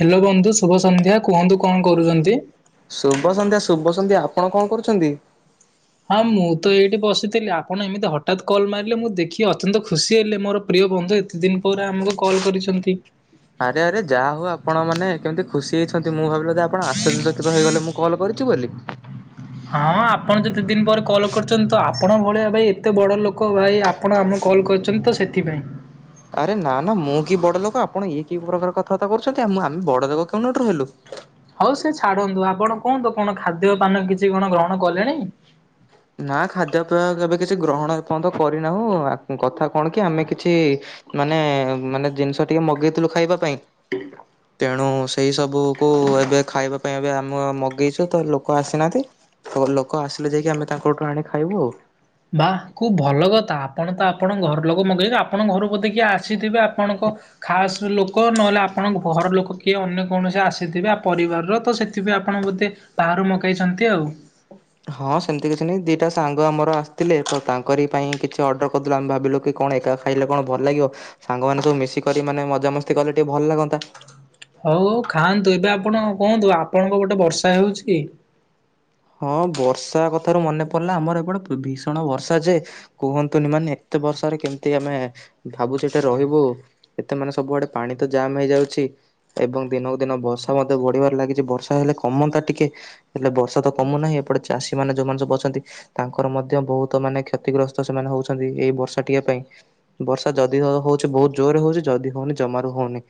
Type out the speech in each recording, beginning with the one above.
Hello ବନ୍ଧୁ ଶୁଭ ସନ୍ଧ୍ୟା କୁହନ୍ତୁ କଣ କରୁଛନ୍ତି। ଶୁଭ ସନ୍ଧ୍ୟା ଶୁଭ ସନ୍ଧ୍ୟା ଆପଣ କଣ କରୁଛନ୍ତି। ହଁ ମୁଁ ତ ଏଇଠି ବସିଥିଲି, ଆପଣ ଏମିତି ହଠାତ୍ କଲ ମାରିଲେ ମୁଁ ଦେଖି ଅତ୍ୟନ୍ତ ଖୁସି ହେଲି, ମୋର ପ୍ରିୟ ବନ୍ଧୁ ଏତେ ଦିନ ପରେ ଆମକୁ କଲ୍ କରିଛନ୍ତି। ଆରେ ଆରେ ଯାହା ହଉ ଆପଣ ମାନେ କେମିତି ଖୁସି ହେଇଛନ୍ତି, ମୁଁ ଭାବି ଆପଣ ଅଶୈଜଚକିତ ହେଇଗଲେ ମୁଁ କଲ କରିଛି ବୋଲି। ହଁ ଆପଣ ଯେତେ ଦିନ ପରେ କଲ୍ କରିୁଛନ୍ତି ତ ଆପଣ ଭଳିଆ ଭାଇ ଏତେ ବଡ ଲୋକ ଭାଇ ଆପଣ ଆମକୁ କଲ୍ କରିଛନ୍ତି ତ ସେଥିପାଇଁ ଆରେ ନା ନା ମୁଁ କି ବଡ ଲୋକ ଆପଣ ଇଏ କି ପ୍ରକାର କଥାବାର୍ତ୍ତା କରୁଛନ୍ତି ଆମେ ବଡ ଲୋକ କେଉଁ ଦିନ ଠୁହେଲୁ ହଉ ସେ ଛାଡନ୍ତୁ ଆପଣ କୁହନ୍ତୁ କଣ ଖାଦ୍ୟ ପାନ କିଛି କଣ ଗ୍ରହଣ କଲେଣି ନା ଖାଦ୍ୟ ପେୟ ଏବେ କିଛି ଗ୍ରହଣ ଏ ପର୍ଯ୍ୟନ୍ତ କରି ନାହୁଁ କଥାହ କଣ କି ଆମେ କିଛି ମାନେ ମାନେ ଜିନିଷ ଟିକେ ମଗେଇଥିଲୁ ଖାଇବା ପାଇଁ ତେଣୁ ସେଇ ସବୁ କୁ ଏବେ ଖାଇବାକୁ ପାଇଁ ଆମେ ମଗେଇଛୁ ତ ଲୋକ ଆସିନାହାନ୍ତି ତ ଲୋକ ଆସିଲେ ଯାଇକି ଆମେ ତାଙ୍କଠୁ ଆଣି ଖାଇବୁ ଆଉ। ବା ଖୁବ ଭଲ କଥା ଆପଣ ତ ଆପଣଙ୍କ ଘର ଲୋକ ମଗେଇ ଆପଣଙ୍କ ଘରୁ ବୋଧେ କିଏ ଆସିଥିବେ ଆପଣଙ୍କ ଖାସ ଲୋକ ନହେଲେ ଆପଣଙ୍କ ଘର ଲୋକ କିଏ ଅନ୍ୟ କୌଣସି ଆସିଥିବେ ପରିବାରର ତ ସେଥିପାଇଁ ଆପଣ ବୋଧେ ବାହାରୁ ମଗେଇଛନ୍ତି ଆଉ। ଥିଲେ ତ ତାଙ୍କରି ପାଇଁ କିଛି ଅର୍ଡର କରିଦଲୁ ଆମେ ଭାବିଲୁ କି କଣ ଏକା ଖାଇଲେ କଣ ଭଲ ଲାଗିବ ସାଙ୍ଗମାନୋନ ସବୁ ମିଶିକରି ମାନେ ମଜାମସ୍ତି କଲେ ଟିକେ ଭଲ ଲାଗନ୍ତା। ହଉ ହଉ ଖାଆନ୍ତୁ ଏବେ ଆପଣ କୁହନ୍ତୁ ଆପଣଙ୍କ ଗୋଟେ ବର୍ଷା ହେଉଛି କି? ହଁ ବର୍ଷା କଥାରୁ ମନେ ପଡିଲା ଆମର ଏପଟେ ଭୀଷଣ ବର୍ଷା ଯେ କୁହନ୍ତୁନି ମାନେ ଏତେ ବର୍ଷାରେ କେମିତି ଆମେ ଭାବୁଛେ ଏଠେ ରହିବୁ ଏତେ ମାନେ ସବୁଆଡେ ପାଣି ତ ଜାମ୍ ହେଇଯାଉଛି ଏବଂ ଦିନକୁ ଦିନ ବର୍ଷା ମଧ୍ୟ ବଢିବାରେ ଲାଗିଛି ବର୍ଷା ହେଲେ କମନ୍ତା ଟିକେ ହେଲେ ବର୍ଷା ତ କମୁନାହିଁ ଏପଟେ ଚାଷୀ ମାନେ ଯୋଉମାନେ ସବୁ ଅଛନ୍ତି ତାଙ୍କର ମଧ୍ୟ ବହୁତ ମାନେ କ୍ଷତିଗ୍ରସ୍ତ ସେମାନେ ହଉଛନ୍ତି ଏଇ ବର୍ଷା ଟ ପାଇଁ ବର୍ଷା ଯଦି ହଉଛି ବହୁତ ଜୋରରେ ହଉଛି ଯଦି ହଉନି ଜମାରୁ ହଉନି।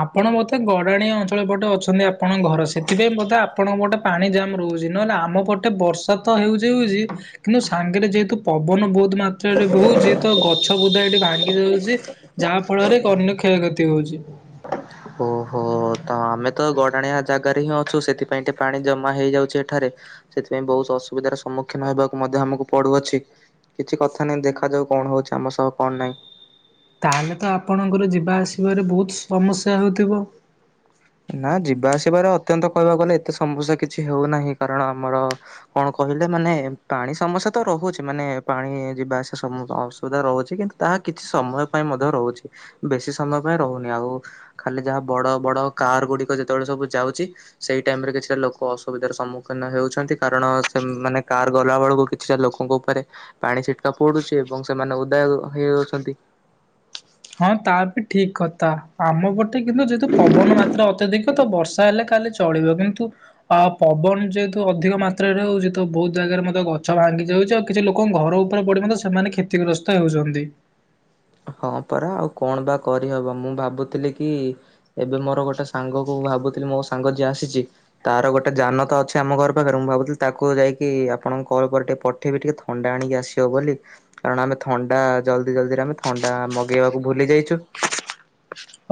ଆପଣ ବୋଧେ ଗଡାଣିଆ ଅଞ୍ଚଳ ପଟେ ଅଛନ୍ତି ଆପଣଙ୍କ ଘର ସେଥିପାଇଁ ବଧେ ଆପଣଙ୍କ ପଟେ ପାଣି ଜାମ୍ ରହୁଛି ନହେଲେ ଆମ ପଟେ ବର୍ଷା ତ ହେଉଛି ହଉଛି କିନ୍ତୁ ସାଙ୍ଗରେ ଯେହେତୁ ପବନ ବହୁତ। ବହୁ ମାତ୍ରାରେ ବସୁଛି ତ ଗଛ ବୂଦା ଏଠି ଭାଙ୍ଗି ଯାଉଛି ଯାହା ଫଳରେ ଅନ୍ୟ କ୍ଷୟକ୍ଷତି ହେଉଛି। ଓହୋ ତ ଆମେ ତ ଗଡ଼ାଣିଆ ଜାଗାରେ ହିଁ ଅଛୁ ସେଥିପାଇଁେ ପାଣି ଜମା ହେଇଯାଉଛି ଏଠାରେ ସେଥିପାଇଁ ବହୁତ ଅସୁବିଧାର ସମ୍ମୁଖୀନ ହେବାକୁ ମଧ୍ୟ ଆମକୁ ପଡୁଅଛି କିଛି କଥା ନାହିଁ ଦେଖାଯାଉ କଣ ହଉଛି ଆମ ସହ କଣ ନାହିଁ। ତାହେଲେ ତ ଆପଣଙ୍କର ଯିବା ଆସିବାରେ ବହୁତ ସମସ୍ୟା ହେଉଥିବ। ନା ଯିବା ଆସିବାରେ ଅତ୍ୟନ୍ତ କହିବାକୁ ଗଲେ ଏତେ ସମସ୍ୟା କିଛି ହେଉନାହିଁ କାରଣ ଆମର କଣ କହିଲେ ମାନେ ପାଣି ସମସ୍ୟା ତ ରହୁଛି ମାନେ ପାଣି ଯିବା ଆସିବା ଅସୁବିଧା ରହୁଛି କିନ୍ତୁ ତାହା କିଛି ସମୟ ପାଇଁ ମଧ୍ୟ ରହୁଛି ବେଶୀ ସମୟ ପାଇଁ ରହୁନି ଆଉ ଖାଲି ଯାହା ବଡ ବଡ କାର ଗୁଡିକ ଯେତେବେଳେ ସବୁ ଯାଉଛି ସେଇ ଟାଇମ ରେ କିଛିଟା ଲୋକ ଅସୁବିଧାର ସମ୍ମୁଖୀନ ହେଉଛନ୍ତି କାରଣ ସେମାନୋନେ କାର ଗଲା ବେଳକୁ କିଛିଟା ଲୋକଙ୍କ ଉପରେ ପାଣି ଛିଟକା ପଡୁଛି ଏବଂ ସେମାନେ ଓଦା ହେଇଯାଉଛନ୍ତି। ହଁ ତା ବି ଠିକ କଥା ଆମ ଗୋଟେ କିନ୍ତୁ ଯେହେତୁ ପବନ ମାତ୍ର ଅତ୍ୟଧିକ ତ ବର୍ଷା ହେଲେ କାଲି ଚଳିବ କିନ୍ତୁ ଅ ପବନ ଯେହେତୁ ଅଧିକ ମାତ୍ରାରେ ହଉଛି ତ ବହୁତ ଜାଗାରେ ମଧ୍ୟ ଗଛ ଭାଙ୍ଗି ଯାଉଛି ଆଉ କିଛି ଲୋକଙ୍କ ଘର ଉପରେ ପଡି ମଧ୍ୟ ସେମାନେ କ୍ଷତିଗ୍ରସ୍ତ ହେଉଛନ୍ତି। ହଁ ପରା ଆଉ କଣ ବା କରିହବ ମୁଁ ଭାବୁଥିଲି କି ଏବେ ମୋର ଗୋଟେ ସାଙ୍ଗକୁ ଭାବୁଥିଲି ମୋ ସାଙ୍ଗ ଯିଏ ଆସିଛି ତାର ଗୋଟେ ଯାନ ତ ଅଛି ଆମ ଘର ପାଖରେ ମୁଁ ଭାବୁଥିଲି ତାକୁ ଯାଇକି ଆପଣଙ୍କ କଲ ପରେ ଟିକେ ପଠେଇବି ଟିକେ ଥଣ୍ଡା ଆଣିକି ଆସିବ ବୋଲି କାରଣ ଆମେ ଥଣ୍ଡା ଜଲଦି ଜଲ୍ଦିରେ ଆମେ ଥଣ୍ଡା ମଗେଇବାକୁ ଭୁଲି ଯାଇଛୁ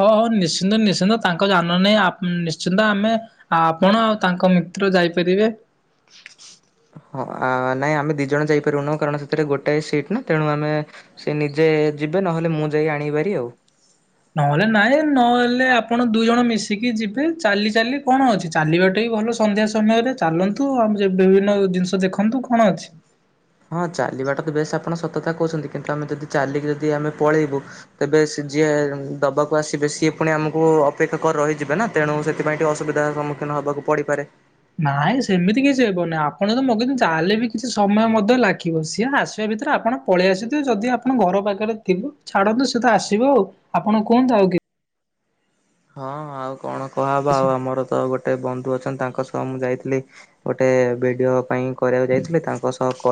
ହଁ ହଉ ନିଶ୍ଚିନ୍ତ ନିଶ୍ଚିନ୍ତ ତାଙ୍କ ଜାନ ନାହିଁ ନିଶ୍ଚିନ୍ତ ଆମେ ଆପଣ ଆଉ ତାଙ୍କ ମିତ୍ର ଯାଇପାରିବେ ହଁ ନାଇଁ ଆମେ ଦି ଜଣ ଯାଇପାରୁନହୁ କାରଣ ସେଥିରେ ଗୋଟାଏ ସିଟ୍ ନା ତେଣୁ ଆମେ ସେ ନିଜେ ଯିବେ ନହେଲେ ମୁଁ ଯାଇ ଆଣପାରି ଆଉ ନହେଲେ ନାଇଁ ନହେଲେ ଆପଣ ଦୁଇ ଜଣ ମିଶିକି ଯିବେ ଚାଲି ଚାଲି କଣ ଅଛି ଚାଲିବାଟା ବି ଭଲ ସନ୍ଧ୍ୟା ସମୟରେ ଚାଲନ୍ତୁ ଆଉ ବିଭିନ୍ନ ଜିନିଷ ଦେଖନ୍ତୁ କଣ ଅଛି ହଁ ଚାଲିବାଟା ତ ବେଶ ଆପଣ ସତଥା କହୁଛନ୍ତି କିନ୍ତୁ ଆମେ ଯଦି ଚାଲିକି ଯଦି ଆମେ ପଳେଇବୁ ତେବେ ଯିଏ ଦବାକୁ ଆସିବେ ସିଏ ପୁଣି ଆମକୁ ଅପେକ୍ଷା କରି ରହିଯିବେ ନା ତେଣୁ ସେଥିପାଇଁ ଟିକେ ଅସୁବିଧାର ସମ୍ମୁଖୀନ ହବାକୁ ପଡିପାରେ ନାଇଁ ସେମିତି କିଛି ହେବନହିଁ ଆପଣ ତ ମଗନ୍ତୁ ଚାଲେ ବି କିଛି ସମୟ ମଧ୍ୟ ଲାଗିବ ସିଏ ଆସିବା ଭିତରେ ଆପଣ ପଳେଇ ଆସିଥିବେ ଯଦି ଆପଣ ଘର ପାଖରେ ଥିବ ଛାଡନ୍ତୁ ସିଏ ତ ଆସିବ ଆଉ ଆପଣ କୁହ ଥାଉ କି ହଁ ଆଉ କଣ କୁହାବା ଆଉ ଆମର ତ ଗୋଟେ ଗୋଟେ ବନ୍ଧୁ ଅଛନ୍ତି ତାଙ୍କ ସହ ମୁଁ ଯାଇଥିଲି ଗୋଟେ ଭିଡିଓ ପାଇଁ କରିବାକୁ ଯାଇଥିଲି ତାଙ୍କ ସହ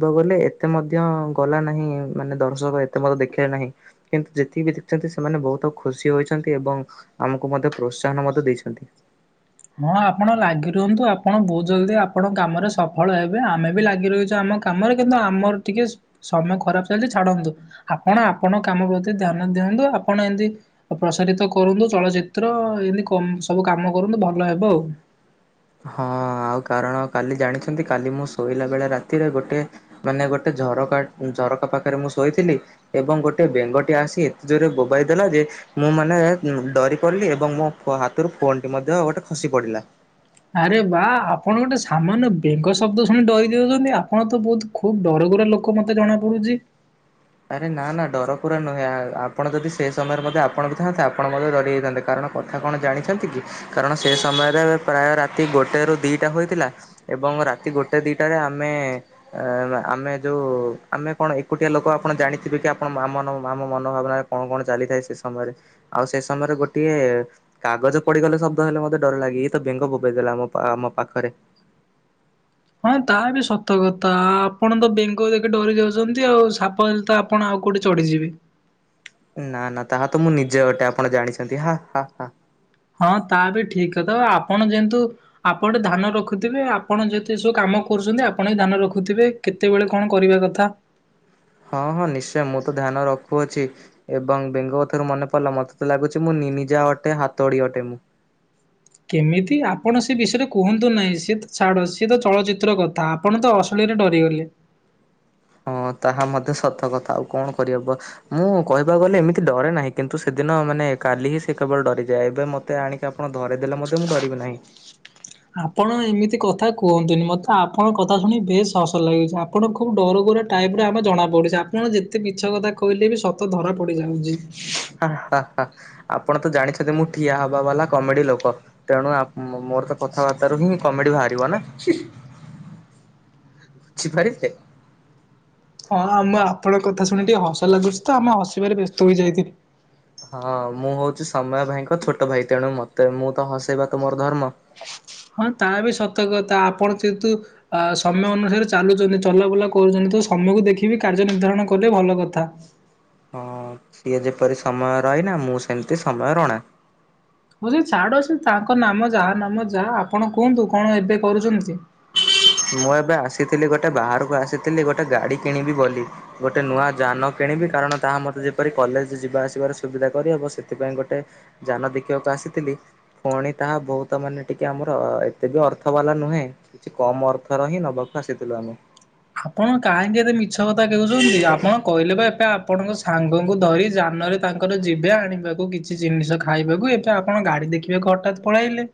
[unintelligible] କହିବାକୁ ଗଲେ ଏତେ ମଧ୍ୟ ଗଲା ନାହିଁ ମାନେ ଦର୍ଶକ ଏତେ ମଧ୍ୟ ଦେଖିଲା ନାହିଁ କିନ୍ତୁ ଯେତିକି ଦେଖିଛନ୍ତି ସେମାନେ ବହୁତ ଖୁସି ହୋଇଛନ୍ତି ଏବଂ ଆମକୁ ମଧ୍ୟ ପ୍ରୋତ୍ସାହନ ମଧ୍ୟ ଦେଇଛନ୍ତି ହଁ ଆପଣ ଲାଗି ରୁହନ୍ତୁ ଆପଣ ବହୁତ ଜଲଦି ଆପଣଙ୍କ କାମରେ ସଫଳ ହେବେ ଆମେ ବି ଲାଗି ରହିଛୁ ଆମ କାମରେ କିନ୍ତୁ ଆମର ଟିକେ ସମୟ ଖରାପ ଚାଲିଛି ଛାଡନ୍ତୁ ଆପଣ ଆପଣଙ୍କ କାମ ପ୍ରତି ଧ୍ୟାନ ଦିଅନ୍ତୁ ଆପଣ ଏମିତି ପ୍ରସାରିତ କରନ୍ତୁ ଚଳଚିତ୍ର ଏମିତି ସବୁ କାମ କରନ୍ତୁ ଭଲ ଭଲ ହେବ ଆଉ ହଁ ଆଉ କାରଣ କାଲି ଜାଣିଛନ୍ତି କାଲି ମୁଁ ଶୋଇଲା ବେଳେ ରାତିରେ ଗୋଟେ ମାନେ ଗୋଟେ ଝରକା ଝରକା ପାଖରେ ମୁଁ ଶୋଇଥିଲି ଏବଂ ଗୋଟେ ବେଙ୍ଗଟି ଆସି ଏତେ ଜୋରରେ ବୋବାଇ ଦେେଲା ଯେ ମୁଁ ମାନେ ଡରି ପଡ଼ିଲି ଏବଂ ମୋ ହାତରୁ ଫୋନ୍ଟି ମଧ୍ୟ ଗୋଟେ ଖସି ପଡ଼ିଲା ଆରେ ବା ଆପଣ ଗୋଟେ ସାମାନ୍ୟ ବେଙ୍ଗ ଶବ୍ଦ ଶୁଣି ଡରି ଯାଉଛନ୍ତି ଆପଣ ତ ବହୁତ ଖୁବ ଡରକୁରା ଲୋକ ମତେ ଜଣା ପଡୁଛି ଆରେ ନା ନା ଡର କୁରା ନୁହେଁ ଆଉ ଆପଣ ଯଦି ସେ ସମୟରେ ମଧ୍ୟ ଆପଣ ବି ଥାନ୍ତା ଆପଣ ମଧ୍ୟ ଡରି ଯାଇଥାନ୍ତେ କାରଣ କଥା କଣ ଜାଣିଛନ୍ତି କି କାରଣ ସେ ସମୟରେ ପ୍ରାୟ ରାତି ଗୋଟେ ର ଦିଇଟା ହୋଇଥିଲା ଏବଂ ରାତି ଗୋଟେ ଦିଇଟାରେ ଆମେ ଏ ଆମେ ଯେଉଁ ଆମେ କଣ ଏକୁଟିଆ ଲୋକ ଆପଣ ଜାଣିଥିବେ କି ଆପଣ ମା ମମନ ମନ ଭାବନାରେ କଣ କଣ ଚାଲିଥାଏ ସେ ସମୟରେ ଆଉ ସେ ସମୟରେ ଗୋଟିଏ କାଗଜ ପଡିଗଲେ ଶବ୍ଦ ହେଲେ ମତେ ଡର ଲାଗେ ଇଏ ତ ବେଙ୍ଗ ବୋପେଇ ଦେଲା ଆମ ଆମ ପାଖରେ। ହଁ ତା ବି ସତ କଥା ଆପଣ ତ ବେଙ୍ଗ ଦେଖି ଡରି ଯାଉଛନ୍ତି ଆଉ ସାପ ହେଲେ ତ ଆପଣ ଆଉ କୋଉଠି ଚଢିଯିବେ, ନା ନା ତାହା ତ ମୁଁ ନିଜେ ଗଟେ ଆପଣ ଜାଣିଛନ୍ତି ହଁ ହଁ ହଁ, ହଁ ତା ବି ଠିକ କଥା ଆପଣ ଯେହେତୁ ଆପଣେ ଧାନ ରଖୁଥିବେ ଆପଣ ଯେତେ ସବୁ କାମ କରୁଛନ୍ତି ଆପଣ ବି ଧାନ ରଖୁଥିବେ କେତେବେଳେ କଣ କରିବା କଥା। ହଁ ହଁ ନିଶ୍ଚୟ ମୁଁ ତ ଧ୍ୟାନ ରଖ ହଉ ଅଛି ଏବଂ ବେଙ୍ଗ କଥାରୁ ମନେ ପଡ଼ିଲା ମତେ ତ ଲାଗୁଛି ମୁଁ ନି ନିିଜା ଅଟେ ହାତଡ଼ି ଅଟେ ମୁଁ, କେମିତି ଆପଣ ସେ ବିଷୟରେ କୁହନ୍ତୁ ନାହିଁ ସିଏ ତ ଛାଡ଼ୁ ସିଏ ତ ଚଳଚିତ୍ର କଥା ଆପଣ ତ ଅଶଳୀରେ ଡରିଗଲେ, ହଁ ତାହା ମଧ୍ୟ ସତ କଥା ଆଉ କଣ କରିହବ ମୁଁ କହିବାକୁ ଗଲେ ଏମିତି ଡରେ ନାହିଁ କିନ୍ତୁ ସେଦିନ ମାନେ କାଲି ହିଁ ସେ କେବଳ ଡରିଯାଏ ଏବେ ମତେ ଆଣିକି ଆପଣ ଧରେଇଦେଲେ ମଧ୍ୟ ମୁଁ ଡରିବି ନାହିଁ। ଆପଣ ଏମିତି କଥା କୁହନ୍ତୁନି ମତେ ଆପଣଙ୍କ କଥା ଶୁଣିିକି ବେଶ ହସ ଲାଗିଛି ଆପଣ ଖୁବ ଡରୁଗରୁ ଟାଇମ୍ ରେ ଆମେ ଜଣା ପଡ଼ୁଛି ଆପଣ ଯେତେ ମିଛ କଥା କହିଲେ ବି ସତ ଧରା ପଡିଯାଉଛି। ହଁ ହଁ ହଁ ଆ ଆପଣ ତ ଜାଣିଛନ୍ତି ମୁଁ ଠିଆ ହବା ବାଲା କମେଡି ଲୋକ ତେଣୁ ମୋ ମୋର୍ କଥାବାର୍ତ୍ତା ରୁ ହିଁ କମେଡ଼ି ଭାଡ୍ [unintelligible] [unintelligible] ବୁଝି ପାରିଥିଲେ [unintelligible] ହଁ ଆମ ଆପଣଙ୍କ କଥା ଶୁଣି ଟିକେ ହସ ଲାଗୁଛି ତ ଆମେ ହସିବାରେ ବ୍ୟସ୍ତ ହୋଇଯାଇଥିଲି। ହଁ ମୁଁ ହଉଛି ସମୟ ଭାଇଙ୍କ ଛୋଟ ଭାଇ ତେଣୁ ମତେ ମୁଁ ତ ହସେଇବା ତ ମୋର ଧର୍ମ, ହଁ ତା ବି ସତକଥା ଆପଣ ଯେହେତୁ ଆ ସମୟ ଅନୁସାରେ ଚାଲୁଛନ୍ତି ଚଲାବୁଲା କରୁଛନ୍ତି ତ ସମୟକୁ ଦେଖିବି କାର୍ଯ୍ୟ ନିର୍ଦ୍ଧାରଣ କଲେ ଭଲ କଥା। ହଁ ସିଏ ଯେପରି ସମୟ ରହିନା ମୁଁ ସେମିତି ସମୟ ରଣା ବୋଲି ଛାଡ଼ ସେ ତାଙ୍କ ନାମ ଯାହା ନାମ ଯାହା ଆପଣ କୁହନ୍ତୁ କଣ ଏବେ କରୁଛନ୍ତି। ମୁଁ ଏବେ ଆସିଥିଲି ଗୋଟେ ବାହାରକୁ ଆସିଥିଲି ଗୋଟେ ଗାଡି କିଣିବି ବୋଲି ଗୋଟେ ନୂଆ ଯାନ କିଣିବି କାରଣ ତାହା ମତେ ଯେପରି କଲେଜ୍ ଯିବା ଆସିବାର ସୁବିଧା କରିହବ ସେଥିପାଇଁ ଗୋଟେ ଯାନ ଦେଖିବାକୁ ଆସିଥିଲି ପୁଣି ତାହା ବହୁତ ମାନେ ଟିକେ ଆମର ଏତେ ବି ଅର୍ଥ ବାଲା ନୁହେଁ କିଛି, କମ୍ ଅର୍ଥର ହିଁ ନେବାକୁ ଆସିଥିଲୁ ଆମେ, ଆପଣ କାହିଁକି ଏତେ ମିଛ କଥା କେହୁଛନ୍ତି ଆପଣ କହିଲେ ବା ଏବେ ଆପ୍ ଆପଣଙ୍କ ସାଙ୍ଗଙ୍କୁ ଦଇ ଯାନରେ ତାଙ୍କର ଯିବେ ଆଣିବାକୁ କିଛି ଜିନିଷ ଖାଇବାକୁ ଏବେ ଆପଣ ଗାଡ଼ି ଦେଖିବାକୁ ହଠାତ୍ ପଳାଇଲେ,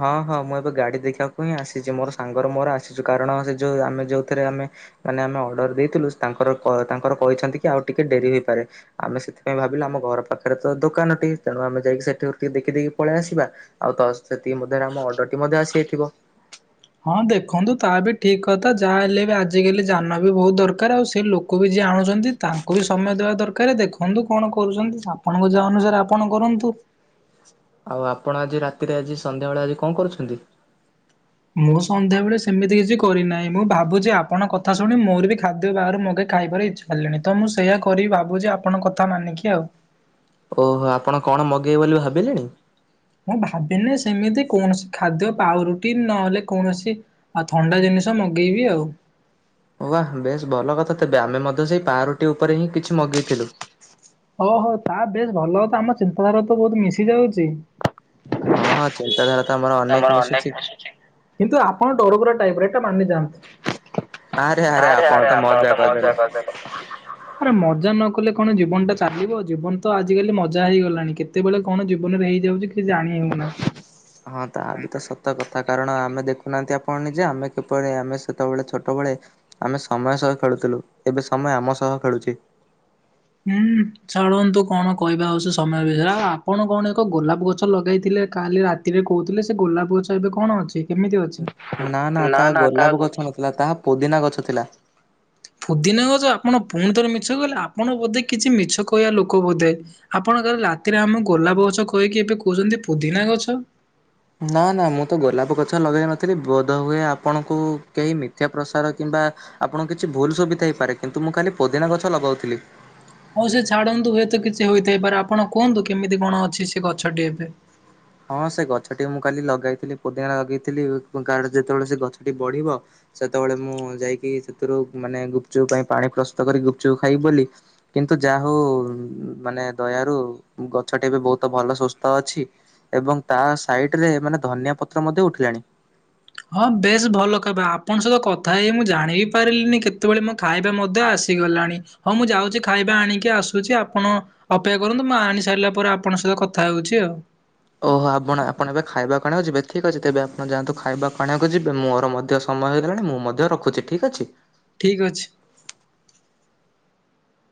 ହଁ ହଁ ମୁଁ ଏବେ ଗାଡ଼ି ଦେଖିବାକୁ ମୁଁ ଏଇ ଆସିଛି ମୋର ସାଙ୍ଗର ମୋର ଆସିଛୁ କାରଣ ସେ ଯୋଉ ଆମେ ଯୋଉଥିରେ ଆମେ ମାନେ ଆମେ ଅର୍ଡର ଦେଇଥିଲୁ ତାଙ୍କର ତାଙ୍କର କହିଛନ୍ତି କି ଆଉ ଟିକେ ଡେରି ହେଇପାରେ ଆମେ ସେଥିପାଇଁ ଭାବିଲୁ ଆମ ଘର ପାଖରେ ତ ଦୋକାନଟିଏ ତେଣୁ ଆମେ ଯାଇକି ସେଠି ଟିକେ ଦେଖିଦକି ପଳେଇ ଆସିବା ଆଉ ତସ୍ ସେତିକି ମଧ୍ୟରେ ଆମ ଅର୍ଡର ଟି ମଧ୍ୟ ଆସିଯାଇଥିବ। ହଁ ଦେଖନ୍ତୁ ତା ଏବେ ଠିକ କଥା ଯାହା ହେଲେ ବି ଆଜିକାଲି ଯାନ ବି ବହୁତ ଦରକାର ଆଉ ସେ ଲୋକ ବି ଯିଏ ଆଣୁଛନ୍ତି ତାଙ୍କୁ ବି ସମୟ ଦେବା ଦରକାର ଦେଖନ୍ତୁ କଣ କରୁଛନ୍ତି ଆପଣଙ୍କ ଯାହା ଅନୁସାରେ ଆପଣ କରନ୍ତୁ। ଆଉ ଆପଣ ଆଜି ରାତିରେ ଆଜି ସନ୍ଧ୍ୟାବେଳେ ଆଜି କଣ କରୁଛନ୍ତି। ମୁଁ ସନ୍ଧ୍ୟାବେଳେ ସେମିତି କିଛି କରିନାହିଁ ମୁଁ ଭାବୁଛି ଆପଣଙ୍କ କଥା ଶୁଣି ମୋର ବି ଖାଦ୍ୟ ବାହାରୁ ମଙ୍ଗେଇ ଖାଇବାର ଇଚ୍ଛା ହେଲାଣି ତ ମୁଁ ସେଇୟା କରିବି ଭାବୁଛି ଆପଣଙ୍କ କଥା ମାନିକି ଆଉ ଓହୋ ଆପଣ କଣ ମଗେଇବେ ବୋଲି ଭାବିଲେଣି? ମୁଁ ଭାବିଲେ ସେମିତି କୌଣସି ଖାଦ୍ୟ ପାଉ ରୁଟି ନହେଲେ କୌଣସି ଥଣ୍ଡା ଜିନିଷ ମଗେଇବି ଆଉ ଓଆହା ବେଶ ଭଲ କଥା। ତେବେ ଆମେ ମଧ୍ୟ ସେଇ ପାଁ ରଟି ଉପରେ ହିଁ କିଛି ମଗେଇଥିଲୁ ଓହୋ ତା ବେଶ ଭଲ ତ ଆମ ଚିନ୍ତାଧାରା ତ ବହୁତ ମିଶି ଯାଉଛି। ହଁ ହଁ ଚିନ୍ତାଧାରା ତ ଆମର ଅନେକ ତମର ଅନ ମିଶୁଛି କିନ୍ତୁ ଆପଣ ଡରଗୁର ଟାଇପରେ ମାନେ ଯାହାକର୍ [unintelligible] ଆରେ ଆରେ ଆପଣ ତ ମଜା କରି ଦେଲେ। ମଜା ନ କଲେ କଣ ଜୀବନଟା ସୁଧ୍ ଚାଲିବ ଜୀବନ ତ ଆଜିକାଲି ମଜା ହେଇଗଲାଣି କେତେବେଳେ କଣ ଜୀବନରେ ହେଇଯାଉଛି କିଛି ଜାଣି ହେଉନାହିଁ। ହଁ ତା ବି ତ ସତ କଥା କାରଣ ଆମେ ଦେଖୁ ଶନାହାନ୍ତି ଆପଣ ନିଜେ ଆମେ କିପରି ଆମେ ସେତେବେଳେ ଛୋଟବେଳେ ଆମେ ସମୟ ସହ ଖେଳୁଥିଲୁ ଏବେ ସମୟ ଆମ ସହ ଖେଳୁଛି। ହୁଁ ଛାଡ଼ନ୍ତୁ କଣ କହିବା ଆଉଛି ସମୟ ବିଷୟରେ ଆଉ ଆପଣ କଣ ଏକ ଗୋଲାପ ଗଛ ଲଗେଇଥିଲେ କାଲି ରାତିରେ କହୁଥିଲେ ସେ ଗୋଲାପ ଗଛ ଏବେ କଣ ଅଛି। କେମିତି ଅଛି? ନା ନା ତାହା ଗୋଲାପ ଗଛ ନଥିଲା ତାହା ପୋଦିନା ଗଛ ଥିଲା। ପୁଦିନା ଗଛ ଆପଣ ପୁଣି ଥରେ ମିଛ କହିଲେ ଆପଣ ବୋଧେ କିଛି ମିଛ କହିବା ଲୋକ ବୋଧେ ଆପଣ କାରେ ରାତିରେ ଆମେ ଗୋଲାପ ଗଛ କହିକି ଏବେ କହୁଛନ୍ତି ପୁଦିନା ଗଛ। ନା ନା ମୁଁ ତ ଗୋଲାପ ଗଛ ଲଗାଇ ନଥିଲି ବୋଧହୁୁଏ ଆପଣଙ୍କୁ କେହି ମିଥ୍ୟା ପ୍ରସାର କିମ୍ବା ଆପଣଙ୍କୁ କିଛି ଭୁଲ ସୁବିଧା ହେଇପାରେ କିନ୍ତୁ ମୁଁ ଖାଲି ପୋଦିନା ଗଛ ଲଗାଉଥିଲି। ହଉ ସେ ଛାଡନ୍ତୁ ହୁଏତ କିଛି ହୋଇଥାଇପାରେ ଆପଣ କୁହନ୍ତୁ କେମିତି କଣ ଅଛି ସେ ଗଛଟି ଏବେ। ହଁ ସେ ଗଛଟି ମୁଁ କାଲି ଲଗେଇଥିଲି ପୋଦିନ ଲଗେଇଥିଲି କା ଯେତେବେଳେ ସେ ଗଛଟି ବଢିବ ସେତେବେଳେ ମୁଁ ଯାଇକି ସେଥିରୁ ମାନେ ଗୁପଚୁପ ପାଇଁ ପାଣି ପ୍ରସ୍ତୁତ କରି ଗୁପଚୁ ଖାଇବ ବୋଲି କିନ୍ତୁ ଯାହା ହଉ ମାନେ ଦୟାରୁ ଗଛଟି ଏବେ ବହୁତ ଭଲ ସୁସ୍ଥ ଅଛି। ଏବଂ ତା ସାଇଟ ରେ ମାନେ ଧନିଆ ପତ୍ର ମଧ୍ୟ ଉଠିଲାଣି। ହଁ ବେଶ ଭଲ ଖହବା ଆପଣଙ୍କ ସହିତ କଥା ହେଇ ମୁଁ ଜାଣିବ ବି ପାରିଲିନି କେତେବେଳେ ମୋ ଖାଇବା ମଧ୍ୟ ଆସିଗଲାଣି ହଁ ମୁଁ ଯାଉଛି ଖାଇବା ଆଣିକି ଆସୁଛି ଆପଣ ଅପେକ୍ଷା କରନ୍ତୁ ମୁଁ ଆଣି ସାରିଲା ପରେ ଆପଣଙ୍କ ସହିତ କଥା ହେଉଛି ଆଉ। ଓହୋ ଆପଣ ଆପଣ ଏବେ ଖାଇବା କଣିବାକୁ ଯିବେ ଠିକ୍ ଅଛି ତେବେ ଆପଣ ଯାଆନ୍ତୁ ଖାଇବା କଣିବାକୁ ଯିବେ ମୋର ମଧ୍ୟ ସମୟ ହେଇଗଲାଣି ମୁଁ ମଧ୍ୟ ରଖୁଛି ଠିକ ଅଛି। ଠିକ ଅଛି।